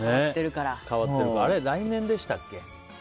あれ来年でしたっけ？